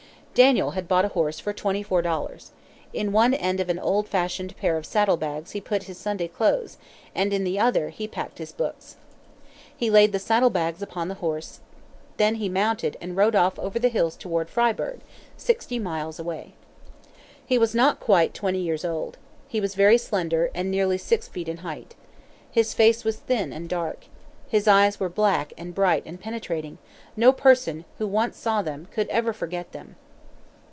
Daniel had bought a horse for twenty four dollars. In one end of an old fashioned pair of saddle bags he put his Sunday clothes, and in the other he packed his books. He laid the saddle bags upon the horse, then he mounted and rode off over the hills toward Fryeburg, sixty miles away. He was not yet quite twenty years old. He was very slender, and nearly six feet in height. His face was thin and dark. His eyes were black and bright and penetrating no person who once saw them could ever forget them.